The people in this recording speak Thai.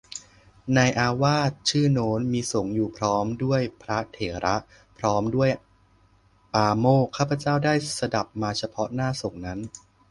ในอาวาสชื่อโน้น มีสงฆ์อยู่พร้อมด้วยพระเถระ พร้อมด้วยปาโมกข์ ข้าพเจ้าได้สดับมาเฉพาะหน้าสงฆ์นั้น